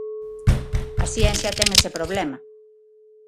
A ciencia ten ese problema.